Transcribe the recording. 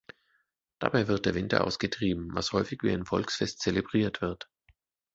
Dabei wird der Winter ausgetrieben, was häufig wie ein Volksfest zelebriert wird.